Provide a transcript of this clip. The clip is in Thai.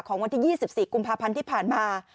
วันที่๒๔กุมภาพันธ์ที่ผ่านมา